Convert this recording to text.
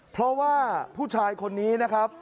เพราะว่าผู้ชายคนนี้นะครับ